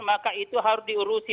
maka itu harus diurusi